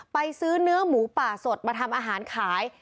ไปซื้อเนื้อหมูป่าสดมาทำอาหารขาย